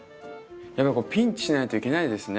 やっぱりピンチしないといけないですね。